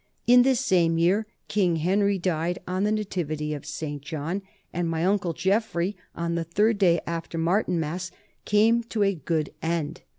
In this same year King Henry died on the nativity of St. John, and my uncle Geoffrey on the third day after Martinmas came to a good end.